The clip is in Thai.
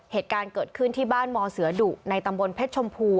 เหตุการณ์เกิดขึ้นที่บ้านมเสือดุในตำบลเพชรชมพู